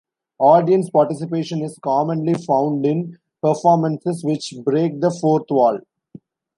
Audience participation is commonly found in performances which break the fourth wall.